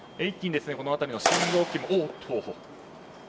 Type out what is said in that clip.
一気にこの辺りの信号機も。